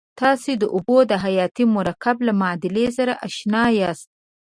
تاسې د اوبو د حیاتي مرکب له معادلې سره آشنا یاست.